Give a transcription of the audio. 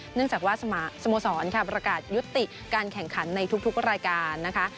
เนื่องจากว่าสโมสรค่ะประกาศยุติการแข่งขันในทุกรายการนะคะ